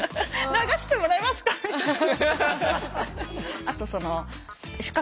流してもらえますかみたいな。